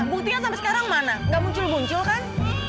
buktinya sampai sekarang mana gak muncul muncul kan